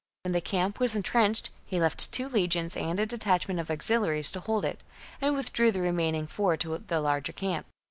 When the camp was en trenched, he left two legions and a detachment of auxiliaries to hold it, and withdrew the remaining four to the larger camp.